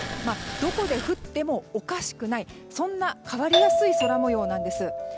どこで降ってもおかしくないそんな変わりやすい空模様です。